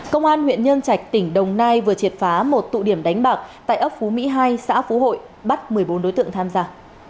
công an huyện nhân trạch tỉnh đồng nai vừa triệt phá một tụ điểm đánh bạc tại ấp phú mỹ hai xã phú hội bắt một mươi bốn đối tượng tham gia